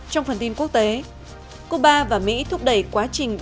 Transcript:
trong phần tin quốc tế cuba và mỹ thúc đẩy quá trình bình luận